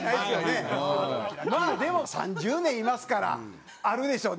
まあでも３０年いますからあるでしょ？